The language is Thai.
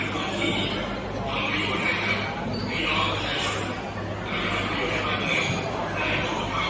ของดาวเกราะของภรรยังเพราะฉะนั้น